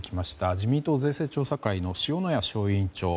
自民党税制調査会の塩谷小委員長。